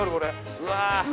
うわ